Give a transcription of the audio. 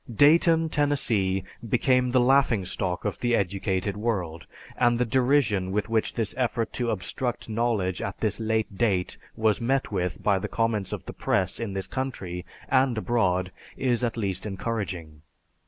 Dayton, Tennessee, became the laughingstock of the educated world, and the derision with which this effort to obstruct knowledge at this late date was met with by the comments of the press in this country and abroad is at least encouraging.